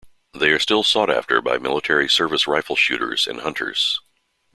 They are still sought after by military service rifle shooters and hunters.